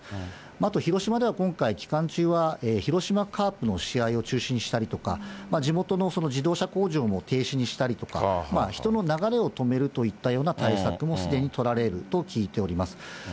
あと、広島では今回、期間中は、広島カープの試合を中止にしたりとか、地元の自動車工場も停止にしたりとか、人の流れを止めるといった対策もすでに取られると聞いております。